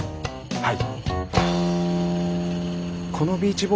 はい！